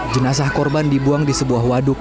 jenazah korban dibuang di sebuah waduk